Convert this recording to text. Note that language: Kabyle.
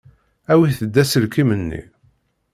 Awit-d aselkim-nni.